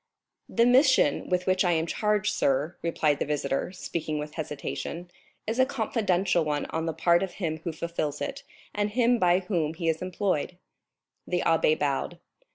"The mission with which I am charged, sir," replied the visitor, speaking with hesitation, "is a confidential one on the part of him who fulfils it, and him by whom he is employed." The abbé bowed.